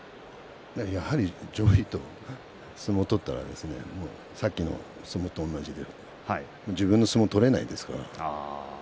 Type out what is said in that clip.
やはり上位と相撲を取ったらさっきの相撲と同じで自分の相撲を取れないですから。